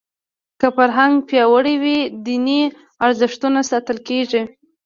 که فرهنګ پیاوړی وي دیني ارزښتونه ساتل کېږي.